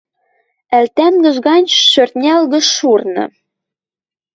Ӓль тангыж гань шӧртнялгы шурны...